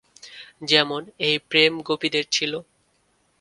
যেমন, এই প্রেম গোপীদের ছিল।